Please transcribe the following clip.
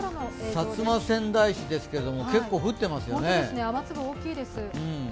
薩摩川内市ですけど、結構降ってますね。